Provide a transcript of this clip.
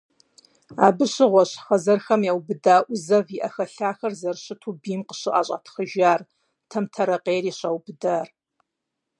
Абы щыгъуэщ хъэзэрхэм яубыда ӏузэв и ӏэхэлъахэр зэрыщыту бийм къыщыӏэщӏатхъыжар, Тамтэрэкъейри щаубыдар.